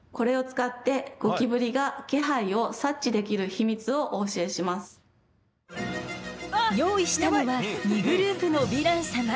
これを使って用意したのは２グループのヴィラン様。